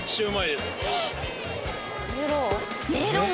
メロン？